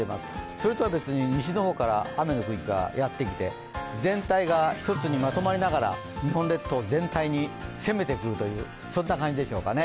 それとは別に西の方から雨がやってきて全体が一つにまとまりながら、日本列島全体に攻めてくるという、そんな感じでしょうか。